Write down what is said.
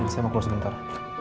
saya mau keluar sebentar